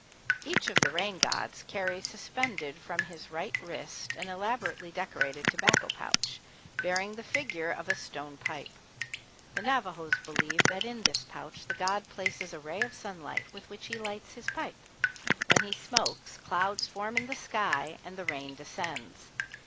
Each of the rain gods carries suspended from his right wrist an elaborately decorated tobacco pouch, bearing the figure of a stone pipe. The Navajos believe that in this pouch the god places a ray of sunlight with which he lights his pipe; when he smokes, clouds form in the sky and the rain descends.